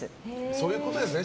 そういうことですね。